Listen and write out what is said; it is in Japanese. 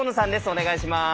お願いします。